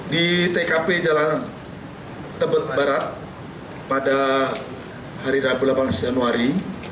di tkp jalan tebet barat pada hari rabu delapan januari